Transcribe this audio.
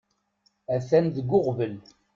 Atan deg uɣbel.